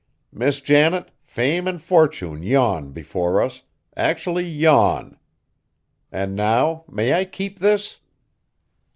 Miss Janet, fame and fortune yawn before us actually yawn. And now may I keep this?"